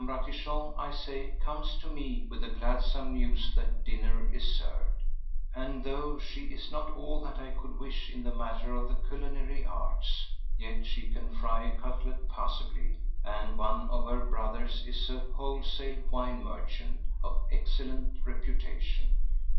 Ratichon, I say, comes to me with the gladsome news that dinner is served; and though she is not all that I could wish in the matter of the culinary arts, yet she can fry a cutlet passably, and one of her brothers is a wholesale wine merchant of excellent reputation.